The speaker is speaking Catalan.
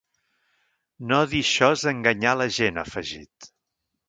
No dir això és enganyar a la gent, ha afegit.